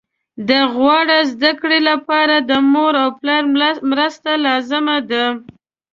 د غوره زده کړې لپاره د مور او پلار مرسته لازمي ده